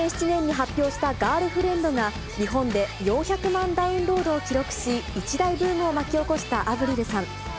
２００７年に発表したガールフレンドが、日本で４００万ダウンロードを記録し、一大ブームを巻き起こしたアヴリルさん。